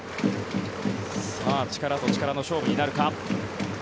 さあ、力と力の勝負になるか。